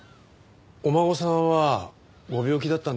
お孫さんはご病気だったんですか？